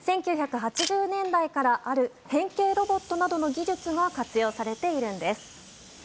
１９８０年代からある変形ロボットなどの技術が活用されているんです。